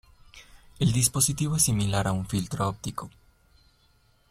El dispositivo es similar a un filtro óptico.